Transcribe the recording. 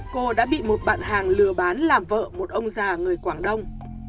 cô đã bị một bạn hàng lừa bán làm vợ một ông già người quảng đông